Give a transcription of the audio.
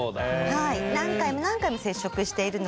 はい何回も何回も接触しているので。